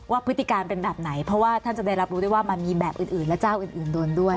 พฤติการเป็นแบบไหนเพราะว่าท่านจะได้รับรู้ได้ว่ามันมีแบบอื่นและเจ้าอื่นโดนด้วย